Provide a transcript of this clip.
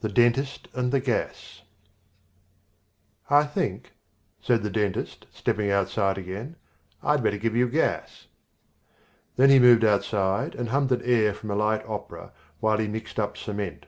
The Dentist and the Gas_ "I THINK," said the dentist, stepping outside again, "I'd better give you gas." Then he moved aside and hummed an air from a light opera while he mixed up cement.